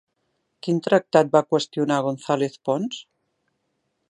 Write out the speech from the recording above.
Quin tractat va qüestionar González Pons?